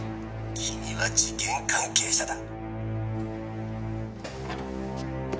君は事件関係者だ」